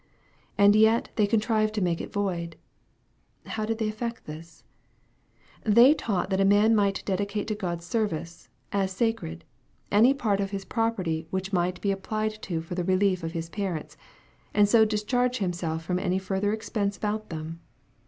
And yet they contrived to make it void 1 How did they effect this ? They taught that a man might dedicate to God's service, as sacred, any part of his property which might be applied to the relief of his parents, and so discharge himself from any further expense about them.